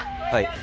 はい？